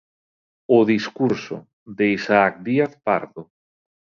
'O discurso', de Isaac Díaz Pardo.